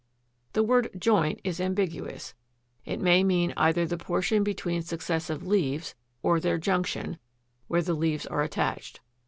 The word "joint" is ambiguous: it may mean either the portion between successive leaves, or their junction, where the leaves are attached.